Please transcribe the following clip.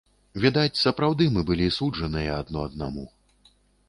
Відаць, сапраўды, мы былі суджаныя адно аднаму.